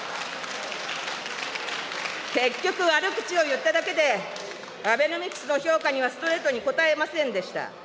結局、悪口を言っただけで、アベノミクスの評価にはストレートに答えませんでした。